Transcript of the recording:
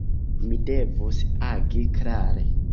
Mi devus agi klare.